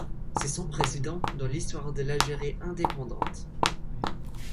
C'est sans précédent dans l'histoire de l'Algérie indépendante.